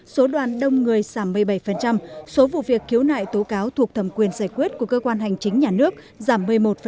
số đoàn đông người giảm một mươi bảy số vụ việc khiếu nại tố cáo thuộc thẩm quyền giải quyết của cơ quan hành chính nhà nước giảm một mươi một